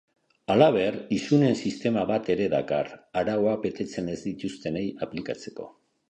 Halaber, isunen sistema bat ere dakar, arauak betetzen ez dituztenei aplikatzeko.